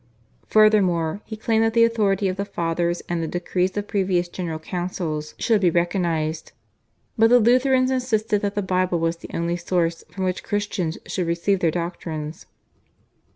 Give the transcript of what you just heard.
Furthermore, he claimed that the authority of the Fathers and the decrees of previous General Councils should be recognised, but the Lutherans insisted that the Bible was the only source from which Christians should receive their doctrines.